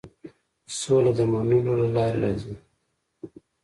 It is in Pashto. سوله د منلو له لارې راځي.